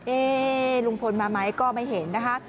ลุงพลมาไหมก็ไม่เห็นนะคะ